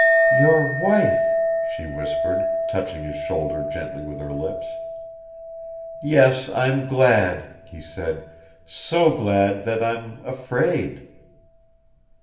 "Your WIFE," she whispered, touching his shoulder gently with her lips. "Yes, I'm glad," he said. "So glad that I'm afraid."